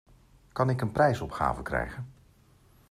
Kan ik een prijsopgave krijgen?